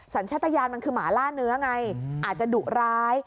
สัญชาตยานมันคือหมาล่าเนื้อไงอาจจะดุร้าย